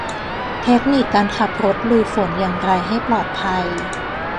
เทคนิคการขับรถลุยฝนอย่างไรให้ปลอดภัย